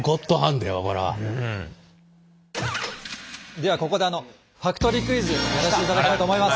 ではここでファクトリークイズやらせていただきたいと思います！